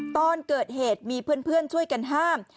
ตอนเกิดเหตุมีเพื่อนช่วยกันห้าม